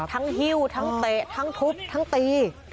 ฮิ้วทั้งเตะทั้งทุบทั้งตี